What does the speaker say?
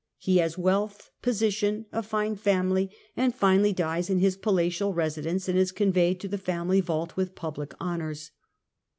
He has wealth, position, a fine family, and finally dies in his palatial residence, and is conveyed to the family vault with public honors.